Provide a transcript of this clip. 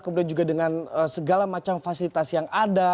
kemudian juga dengan segala macam fasilitas yang ada